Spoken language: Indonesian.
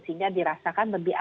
sehingga dirasakan lebih awal